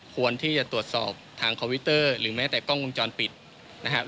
ควรที่จะตรวจสอบทางคอมพิวเตอร์หรือแม้แต่กล้องวงจรปิดนะครับ